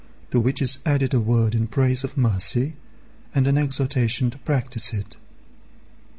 To which is added a word in praise of mercy, and an exhortation to practise it.